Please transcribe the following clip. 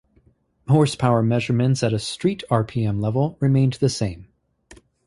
Horsepower measurements at a "street" rpm level remained the same.